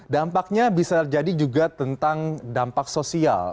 dampaknya bisa jadi juga tentang dampak sosial